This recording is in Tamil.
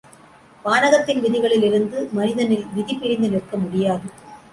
வானகத்தின் விதிகளில் இருந்து மனிதனில் விதி பிரிந்து நிற்க முடியாது.